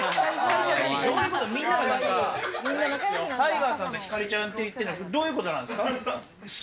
みんなが何か、大河さんとひかりちゃんって言ってる、どういうことなんですか？